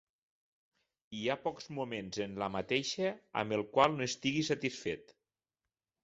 Hi ha pocs moments en la mateixa amb el qual no estigui satisfet.